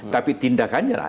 tapi tindakannya lah